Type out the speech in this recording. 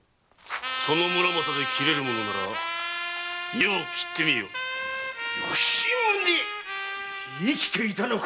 その「村正」で斬れるものなら余を斬ってみよ吉宗生きていたのか？